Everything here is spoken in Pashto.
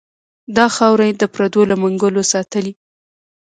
دا خاوره یې د پردو له منګلو ساتلې.